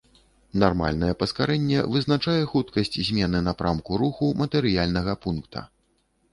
Нармальнае паскарэнне вызначае хуткасць змены напрамку руху матэрыяльнага пункта.